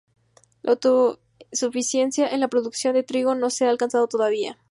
La autosuficiencia en la producción de trigo no se ha alcanzado todavía.